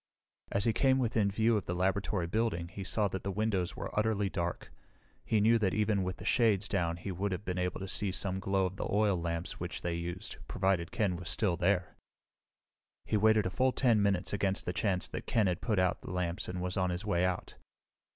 As he came within view of the laboratory building he saw that the windows were utterly dark. He knew that even with the shades down he would have been able to see some glow of the oil lamps which they used, provided Ken were still there. He waited a full 10 minutes against the chance that Ken had put out the lamps and was on his way out.